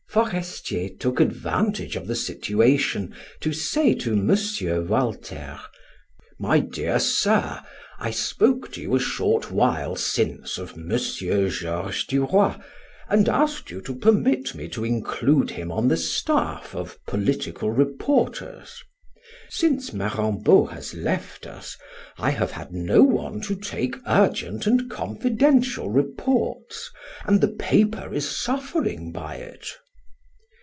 Forestier took advantage of the situation to say to M. Walter: "My dear sir, I spoke to you a short while since of M. Georges Duroy and asked you to permit me to include him on the staff of political reporters. Since Marambot has left us, I have had no one to take urgent and confidential reports, and the paper is suffering by it."